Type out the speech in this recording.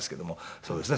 そうですね。